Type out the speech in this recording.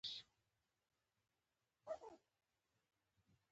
دغه کمپنۍ اربونه روپۍ ګټلي دي.